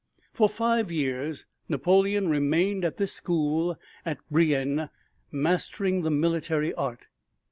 For five years Napoleon remained at this school at Brienne mastering the military art.